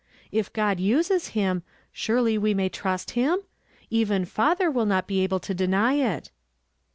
If God uses him, surely we may trust him? Even father will not be able to deny it."